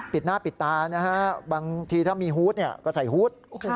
ปิดหน้าปิดตานะฮะบางทีถ้ามีฮุทก์เนี่ยก็ใส่ฮุทก์